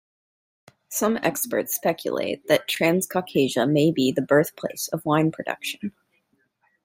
Some experts speculate that Transcaucasia may be the birthplace of wine production.